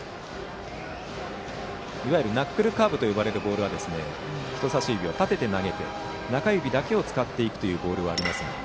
いわゆるナックルカーブといわれるボールは人さし指を立てて投げて中指だけを使っていくというボールはありますが。